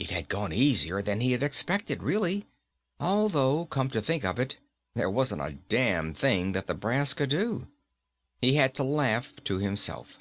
It had gone easier than he had expected, really. Although, come to think of it, there wasn't a damn thing that the brass could do. He had to laugh to himself.